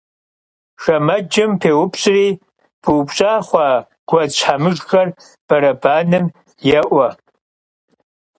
Şşemecım pêupş'ri, pıupş'a xhua guedz şhemıjjxer berebanem yê'ue.